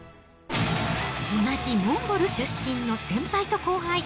同じモンゴル出身の先輩と後輩。